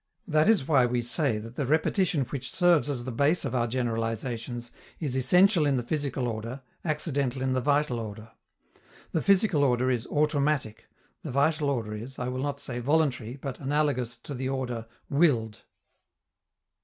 That is why we say that the repetition which serves as the base of our generalizations is essential in the physical order, accidental in the vital order. The physical order is "automatic;" the vital order is, I will not say voluntary, but analogous to the order "willed."